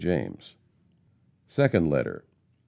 JAMES. SECOND LETTER.